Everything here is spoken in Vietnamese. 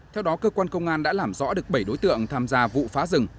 theo đó cơ quan công an đã làm rõ được bảy đối tượng tham gia vụ phá rừng